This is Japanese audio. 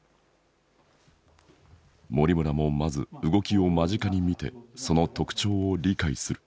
森村もまず動きを間近に見てその特徴を理解する。